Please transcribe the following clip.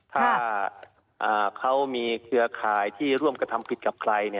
ถ้าเขามีเครือข่ายที่ร่วมกระทำผิดกับใคร